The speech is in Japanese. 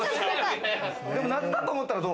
でも夏だと思ったらどう？